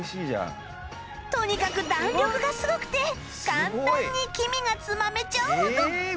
とにかく弾力がすごくて簡単に黄身がつまめちゃうほど